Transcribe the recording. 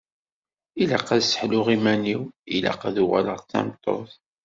Ilaq ad sseḥluɣ iman-iw, ilaq ad uɣaleɣ d tameṭṭut.